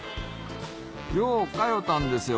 よう通ったんですよ